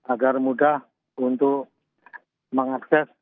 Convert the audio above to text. agar mudah untuk mengakses